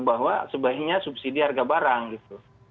bahwa sebaiknya subsidi harga barang gitu